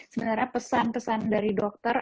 sebenarnya pesan pesan dari dokter